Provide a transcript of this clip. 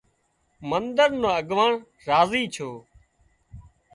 منۮر نو اڳواڻ راضي ڇو